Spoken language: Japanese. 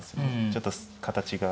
ちょっと形が。